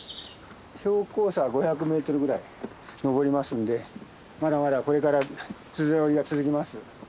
標高差５００ｍぐらい登りますんでまだまだこれからつづら折りが続きます。